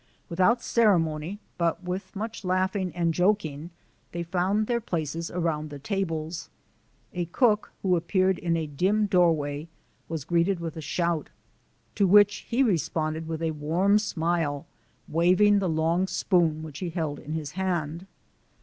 Without ceremony but with much laughing and joking, they found their places around the tables. A cook, who appeared in a dim doorway was greeted with a shout, to which he responded with a wide smile, waving the long spoon which he held in his hand.